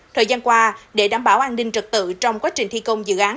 thời gian qua để đảm bảo an ninh trật tự trong quá trình thi công dự án